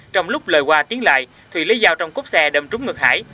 trong lúc lời qua tiến lại thùy lấy dao trong cốc xe đâm trúng ngực hải